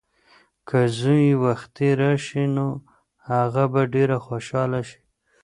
که زوی یې وختي راشي نو هغه به ډېره خوشحاله شي.